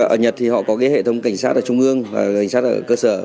ở nhật thì họ có cái hệ thống cảnh sát ở trung ương và cảnh sát ở cơ sở